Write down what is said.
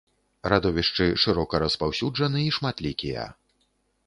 Радовішчы шырока распаўсюджаны і шматлікія.